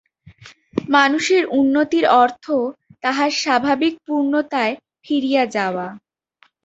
মানুষের উন্নতির অর্থ তাহার স্বাভাবিক পূর্ণতায় ফিরিয়া যাওয়া।